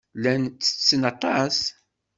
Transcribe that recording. Llan ttetten aṭas.